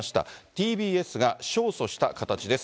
ＴＢＳが勝訴した形です。